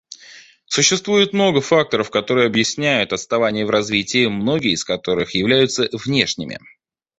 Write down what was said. Существует много факторов, которые объясняют отставание в развитии, многие из которых являются внешними.